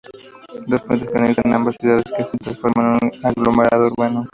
Dos puentes conectan a ambas ciudades, que juntas forman un aglomerado urbano.